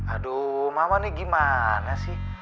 aduh mama nih gimana sih